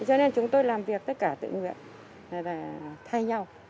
cho nên chúng tôi làm việc tất cả tự nguyện thay nhau